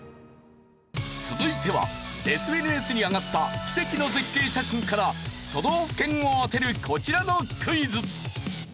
続いてはＳＮＳに上がった奇跡の絶景写真から都道府県を当てるこちらのクイズ。